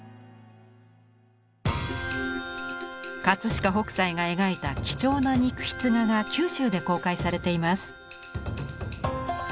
飾北斎が描いた貴重な肉筆画が九州で公開されています。